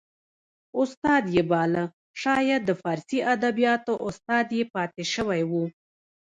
استاد یې باله شاید د فارسي ادبیاتو استاد یې پاته شوی و